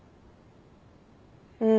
うん。